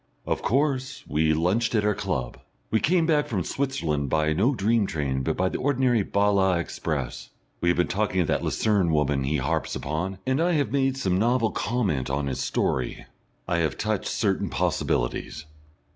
Of course we lunched at our club. We came back from Switzerland by no dream train but by the ordinary Bale express. We have been talking of that Lucerne woman he harps upon, and I have made some novel comment on his story. I have touched certain possibilities.